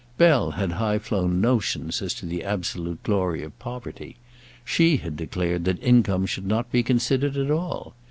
Bell had had high flown notions as to the absolute glory of poverty. She had declared that income should not be considered at all.